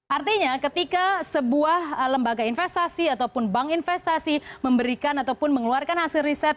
artinya ketika sebuah lembaga investasi ataupun bank investasi memberikan ataupun mengeluarkan hasil riset